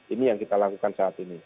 ini yang kita lakukan saat ini